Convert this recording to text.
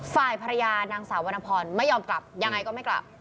ฝ่ายภรรยานางสาววรรณพรไม่ยอมกลับยังไงก็ไม่กลับ